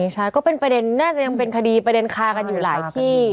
ใช่ก็เป็นประเด็นน่าจะยังเป็นคดีประเด็นคากันอยู่หลายที่